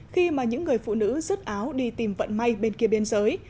khi mà những người phụ nữ rứt áo đi tìm vận may bên kia biên giới